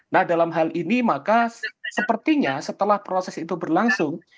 nah dalam hal ini maka sepertinya setelah proses itu berlangsung